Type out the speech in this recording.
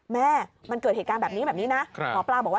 แม่มันเกิดเหตุการณ์แบบนี้แบบนี้นะหมอปลาบอกว่า